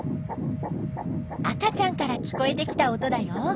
赤ちゃんから聞こえてきた音だよ。